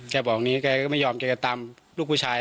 เป็นอย่างนี้เขาก็ไม่ยอมเขาจะตามลูกผู้ชาย